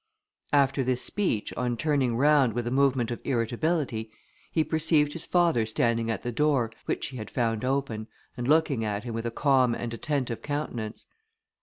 After this speech, on turning round with a movement of irritability, he perceived his father standing at the door, which he had found open, and looking at him with a calm and attentive countenance.